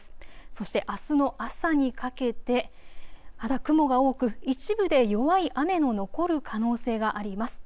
そしてあすの朝にかけてまだ雲が多く一部で弱い雨の残る可能性があります。